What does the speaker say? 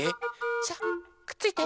さあくっついて！